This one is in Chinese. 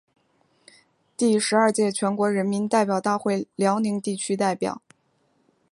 第十二届全国人民代表大会辽宁地区代表。